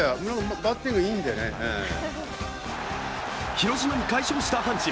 広島に快勝した阪神。